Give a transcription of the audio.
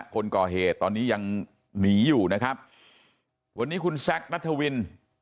คนก่อเหตุตอนนี้ยังหนีอยู่นะครับวันนี้คุณแซคนัทวิน